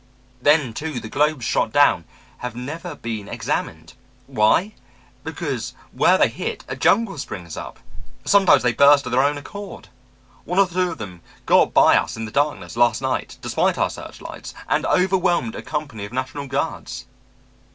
Then, too, the globes shot down have never been examined. Why? Because where they hit a jungle springs up. Sometimes they burst of their own accord. One or two of them got by us in the darkness last night, despite our searchlights, and overwhelmed a company of National Guards."